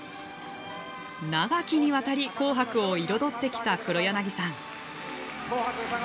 長きにわたり「紅白」を彩ってきた黒柳さん。